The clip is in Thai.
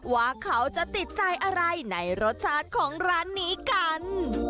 ว่าเขาจะติดใจอะไรในรสชาติของร้านนี้กัน